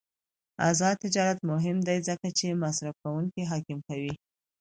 آزاد تجارت مهم دی ځکه چې مصرفکونکي حاکم کوي.